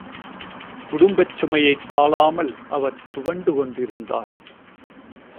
குடும்பச்சுமையைத் தாளாமல் அவர் துவண்டு கொண்டிருந்தார்.